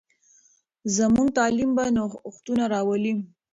زموږ تعلیم به نوښتونه راولي.